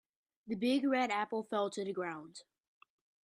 The big red apple fell to the ground.